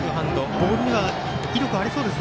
ボールには威力がありそうです。